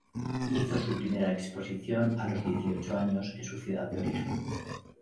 Hizo su primera exposición a los dieciocho años en su ciudad de origen.